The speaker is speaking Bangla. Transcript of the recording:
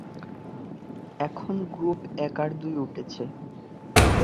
এখন গ্রুপ এক আর দুই উঠছে।